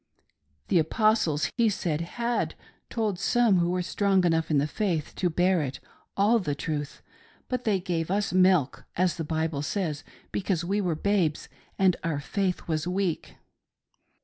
The Apostles, he said, had told some who were strong enough in the faith to bear it, all the truth, but they gave us milk, as the Bible says, because we were babes and our faith was weak.